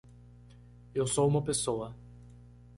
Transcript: Eu sou uma pessoa